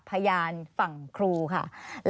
สวัสดีครับ